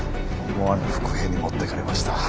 思わぬ伏兵に持ってかれました。